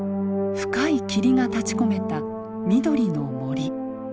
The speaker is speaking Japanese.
深い霧が立ちこめた緑の森。